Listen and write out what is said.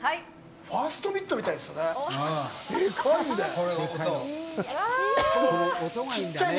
ファーストミットみたいですね。